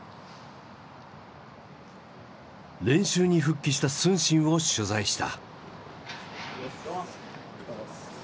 練習に復帰した承信を取材した。